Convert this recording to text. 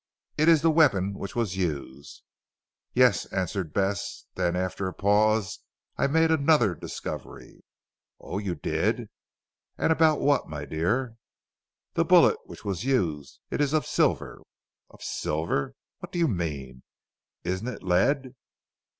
"It is the weapon which was used." "Yes," answered Bess; then after a pause. "I made another discovery." "Oh, you did? And about what, my dear?" "The bullet which was used. It is of silver." "Of silver? What do you mean? Isn't it lead?"